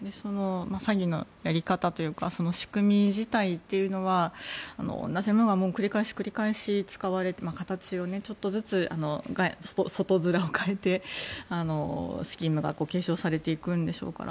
詐欺のやり方というか仕組み自体というのは同じものが繰り返し、繰り返し使われて形をちょっとずつ外面を変えてスキームが継承されていくんでしょうから。